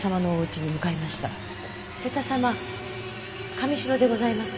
神城でございます。